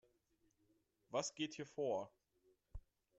Was geht hier vor?